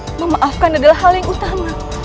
untuk memaafkan adalah hal yang utama